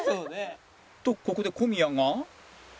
とここで小宮が